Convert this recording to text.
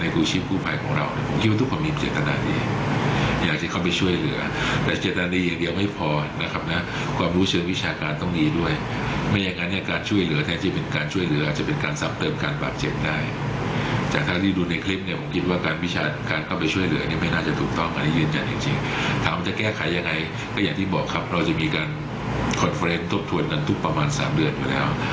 ก็อย่างที่บอกครับเราจะมีการคอนเฟอร์เนสต์ตรวจนั้นทุกประมาณ๓เดือนมาแล้ว